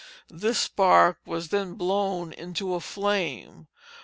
This spark was then blown into a flame.